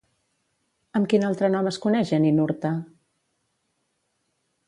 Amb quin altre nom es coneix a Ninurta?